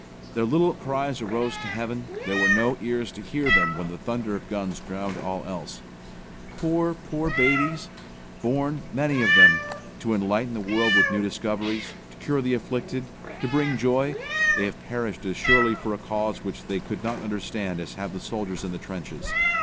Their little cries arose to heaven, there were no ears to hear them when the thunder of guns drowned all else. Poor, poor babies! Born, many of them, to enlighten the world with new discoveries, to cure the afflicted, to bring joy, they have perished as surely or a cause which they could not understand as have the soldiers in the trenches.